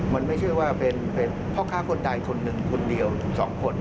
มันไม่ใช่ว่าเป็นพ่อค้าคนใดคนหนึ่งคนเดียว๒คน